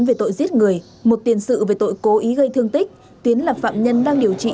về tội giết người một tiền sự về tội cố ý gây thương tích tiến là phạm nhân đang điều trị